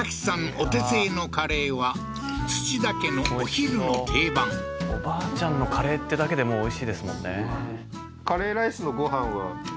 お手製のカレーは土田家のお昼の定番おばあちゃんのカレーってだけでもうおいしいですもんね